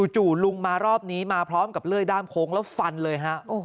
จู่ลุงมารอบนี้มาพร้อมกับเลื่อยด้ามโค้งแล้วฟันเลยฮะ